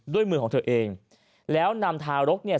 ด้วยมือของเธอเองแล้วนำทารกเนี่ย